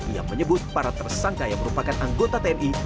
ia menyebut para tersangka yang merupakan anggota tni